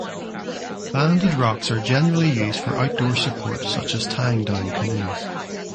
Banded rocks are generally used for outdoor support such as tying down canoes.